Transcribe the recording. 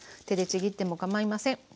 手でちぎってもかまいません。